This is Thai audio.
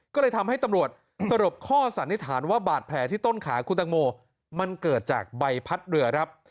ก็เลยทำให้ตำรวจสรุปข้อสันนิษฐานว่าบาดแผลที่ต้นขาคุณตังโมมันเกิดจากใบพัดเรือครับ